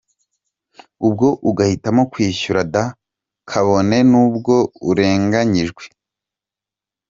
Ubwo ugahitamo kwishyura daa kabone nubwo urenganyijwe!